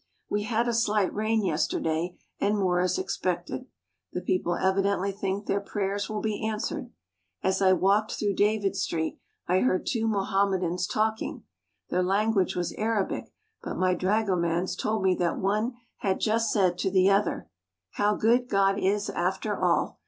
We had a slight rain yesterday and more is expected. The people evidently think their prayers will be answered. As I walked through David Street I heard two Moham medans talking. Their language was Arabic, but my dragomans told me that one had just said to the other: "How good God is, after all.